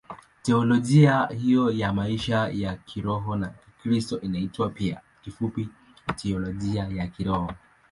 Teolojia hiyo ya maisha ya kiroho ya Kikristo inaitwa pia kifupi Teolojia ya Kiroho.